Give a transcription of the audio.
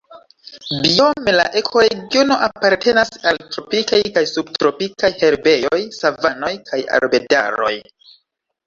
Biome la ekoregiono apartenas al tropikaj kaj subtropikaj herbejoj, savanoj kaj arbedaroj.